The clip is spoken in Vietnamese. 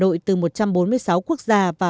hoặc truyền thông e commerce